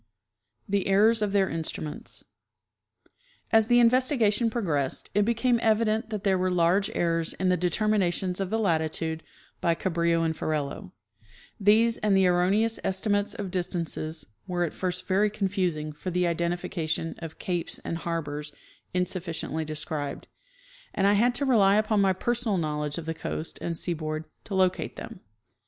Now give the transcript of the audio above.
The Errors of their Lutrimients. As the investigation progressed it became evident that there were large errors in the determinations of the latitude by Ca brillo and Ferrelo ; these and the erroneous estimates of dis tances were at first very confusing for the identification of capes and harbors insufficiently described, and I had to rely upon my personal knowledge of the coast and seaboard to locate them.